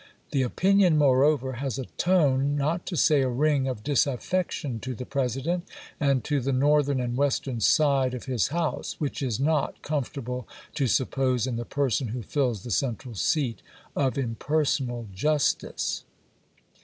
The opinion, moreover, has a tone, not to say a ring, of disaffection to the Presi dent, and to the Northern and "Western side of his house, which is not comfortable to suppose in the person who fills the central seat of impersonal justice.